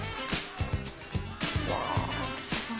うわあすごい！